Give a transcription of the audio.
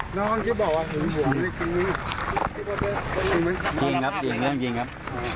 จริงครับจริงครับ